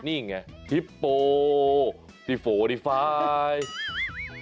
นี่ไงฮิปโปฮิปโปเรียน